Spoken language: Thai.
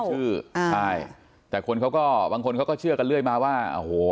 ใช่แต่บางคนเขาก็เชื่อกันเรื่อยมาว่าโอ้โห